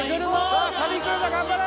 さあサビくるぞ頑張れ！